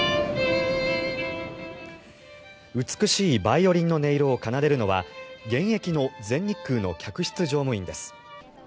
美しいバイオリンの音色を奏でるのは現役の全日空の客室乗務員です。